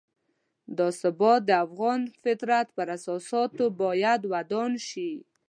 دا ثبات د افغان فطرت پر اساساتو باید ودان شي.